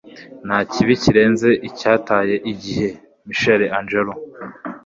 nta kibi kirenze icyataye igihe. - michelangelo